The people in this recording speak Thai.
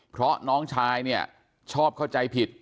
เพราะน้องชายเนี่ยชอบเข้าใจผิด